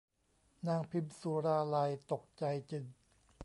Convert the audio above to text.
นางพิมสุราลัยตกใจจึง